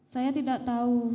saya tidak tahu